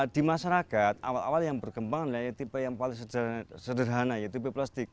di masyarakat awal awal yang berkembang adalah tipe yang paling sederhana yaitu tipe plastik